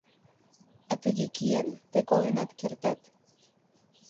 А тыге киен, тый коленат кертат.